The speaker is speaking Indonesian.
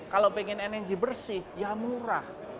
kalau pengen energi bersih ya murah